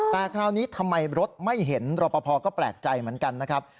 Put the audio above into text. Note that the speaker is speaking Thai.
แต่คราวนี้ทำไมรถไม่เห็นรอปภก็แปลกใจเหมือนกันนะครับ